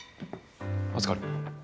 預かる。